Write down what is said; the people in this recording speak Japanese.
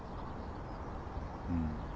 うん。